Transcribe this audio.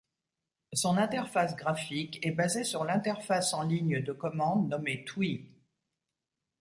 Son interface graphique est basée sur l'interface en ligne de commande nommée twee.